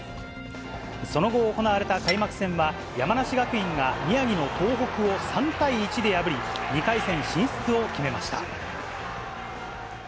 その後、行われた開幕戦は、山梨学院が宮城の東北を３対１で破り、２回戦進出を決めました。